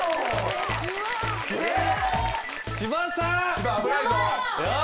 千葉危ないぞ。